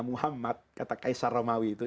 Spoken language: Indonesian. muhammad kata kaisar romawi itu